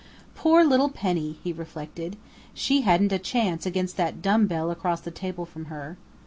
Poor little Penny! he reflected. She hadn't had a chance against that dumb bell across the table from her.